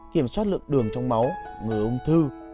kiểm soát lượng đường trong máu ngừa ung thư